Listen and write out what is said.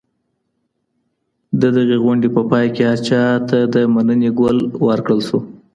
د دغي غونډې په پای کي هر چا ته د مننې ګل ورکړل سو.